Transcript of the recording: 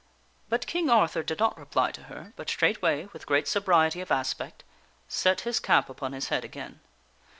But King Arthur did not reply to her, but straightway, with great sobriety of aspect, set his cap upon his head again.